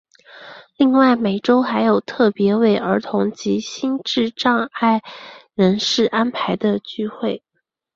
另外每周还有特别为儿童及心智障碍人士安排的聚会。